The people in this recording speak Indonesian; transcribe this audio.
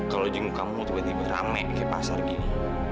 kalau di muka mu tiba tiba rame kayak pasar gini